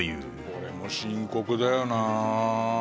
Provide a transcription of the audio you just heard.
これも深刻だよな。